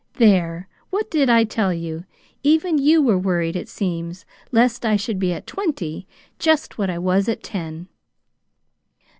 "There, what did I tell you? Even you were worried, it seems, lest I should be at twenty just what I was at ten!"